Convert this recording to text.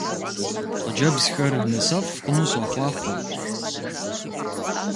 Хъыджэбзхэр нысэфӀ хъуну сохъуахъуэ!